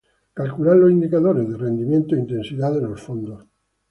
Calcular los indicadores de rendimiento e intensidad de los fondos.